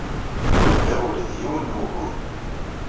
Ur bɣiɣ ula d yiwen n wugur.